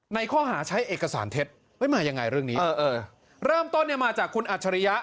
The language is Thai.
ในข้อหาใช้เอกสารเท็จเอ้ยมายังไงเรื่องนี้เริ่มต้นเนี่ยมาจากคุณอัจฉริยะ